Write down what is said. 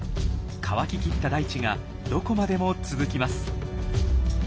乾ききった大地がどこまでも続きます。